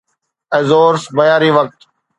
Azores معياري وقت